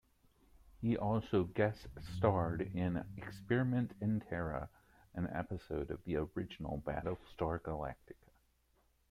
He also guest-starred in "Experiment In Terra", an episode of the original "Battlestar Galactica".